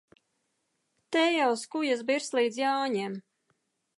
Te jau skujas birs līdz Jāņiem.